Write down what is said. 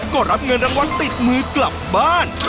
ก็รับเงินรางวัลติดมือกลับบ้าน